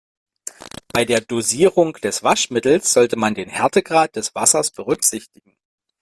Bei der Dosierung des Waschmittels sollte man den Härtegrad des Wassers berücksichtigen.